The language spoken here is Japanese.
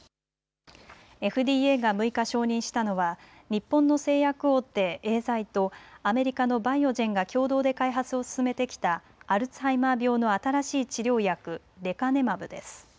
ＦＤＡが６日承認したのは日本の製薬大手エーザイとアメリカのバイオジェンが共同で開発を進めてきたアルツハイマー病の新しい治療薬、レカネマブです。